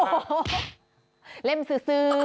โอ้โหเล่มซื้อ